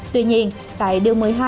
tuy nhiên tại điều một mươi hai